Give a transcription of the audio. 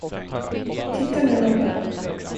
Titta nu noga.